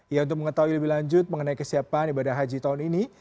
ya untuk mengetahui lebih lanjut mengenai kesiapan ibadah haji tahun ini